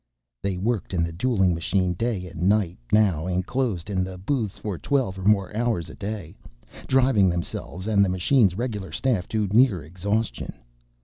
_ They worked in the dueling machine day and night now, enclosed in the booths for twelve or more hours a day, driving themselves and the machine's regular staff to near exhaustion.